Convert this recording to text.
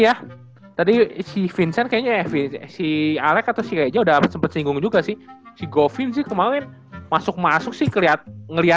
ya tadi si vincent kayaknya si alec atau si eja udah sempet singgung juga sih tapi dia udah sempet singgung juga sih